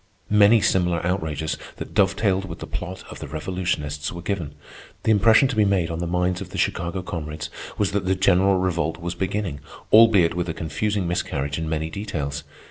Many similar outrages, that dovetailed with the plot of the revolutionists, were given. The impression to be made on the minds of the Chicago comrades was that the general Revolt was beginning, albeit with a confusing miscarriage in many details.